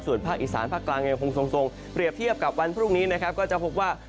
ส่วนภาคอีสานภาคกลางยังคงทรงเปรียบเทียบกับวันพรุ่งนี้นะครับก็จะพบว่า